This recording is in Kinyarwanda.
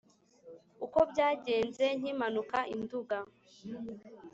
uko byagenze nkimanuka i nduga